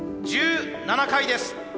１７回です。